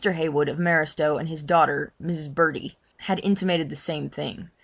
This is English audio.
Heywood of Maristow, and his daughter, Mrs. Bertie, had intimated the same thing.